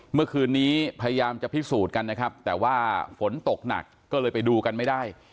เมื่อคืนนี้พยายามจะพิสูจน์กันนะครับแต่ว่าฝนตกหนักก็เลยไปดูกันไม่ได้